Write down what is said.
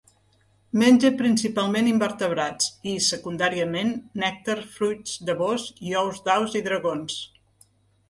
Menja principalment invertebrats i, secundàriament, nèctar, fruits, llavors i ous d'aus i dragons.